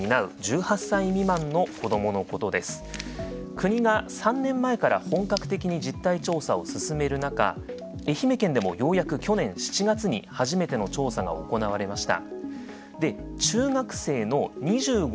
国が３年前から本格的に実態調査を進める中愛媛県でもようやく去年７月に初めての調査が行われました。